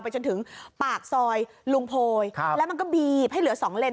จนถึงปากซอยลุงโพยแล้วมันก็บีบให้เหลือสองเลน